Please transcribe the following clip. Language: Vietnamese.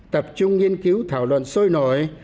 tập trung nghiên cứu thảo luận sôi nổi